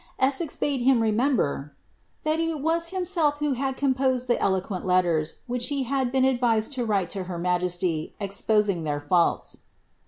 Essex bade him remember " that it was himself who had composed the eloquent letters which he had been advised to write le her majesty exposing their faults."